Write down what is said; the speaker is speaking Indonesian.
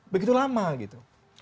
begitu lama gitu